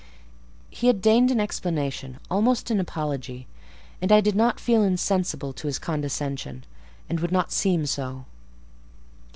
He had deigned an explanation, almost an apology, and I did not feel insensible to his condescension, and would not seem so.